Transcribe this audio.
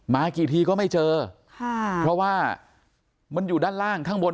กี่ทีก็ไม่เจอค่ะเพราะว่ามันอยู่ด้านล่างข้างบน